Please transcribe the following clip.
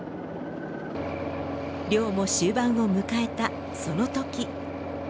漁も終盤を迎えたそのとき。